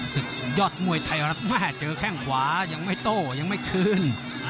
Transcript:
ศึกยอดมวยไทยรัฐแม่เจอแข้งขวายังไม่โต้ยังไม่คืน